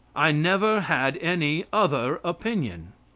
I never had any other opinion.